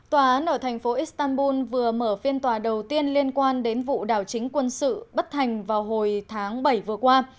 tòa án ở thành phố istanbul vừa mở phiên tòa đầu tiên liên quan đến vụ đảo chính quân sự bất thành vào hồi tháng bảy vừa qua